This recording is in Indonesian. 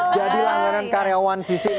jadi lah yang karyawan sisi ini